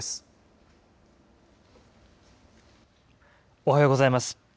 おはようございます。